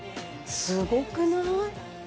すごくない？